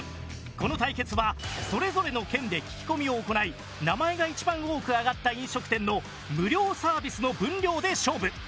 この対決はそれぞれの県で聞き込みを行い名前が一番多く挙がった飲食店の無料サービスの分量で勝負。